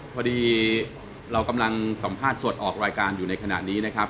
พอดีเรากำลังสัมภาษณ์สดออกรายการอยู่ในขณะนี้นะครับ